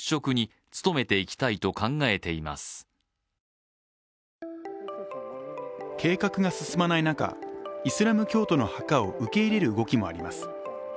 日出町は私たちの取材に対し計画が進まない中、イスラム教徒の墓を受け入れる動きもあります。